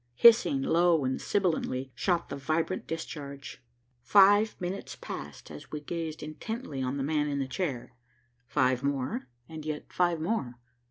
Hissing low and sibilantly shot the vibrant discharge. Five minutes passed as we gazed intently on the man in the chair, five more, and yet five more.